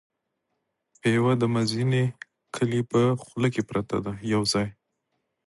پېوه د مزینې کلي په خوله کې پرته ده یو ځای.